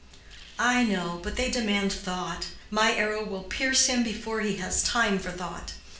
"I know, but they demand thought. My arrow will pierce him before he has time for thought.